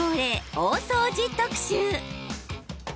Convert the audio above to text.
大掃除特集。